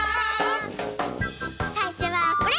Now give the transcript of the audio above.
さいしょはこれ！